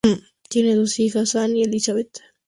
Tienen dos hijas, Ann y Elizabeth.